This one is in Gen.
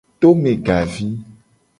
Tome gavi.